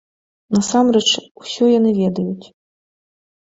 Насамрэч усё яны ведаюць.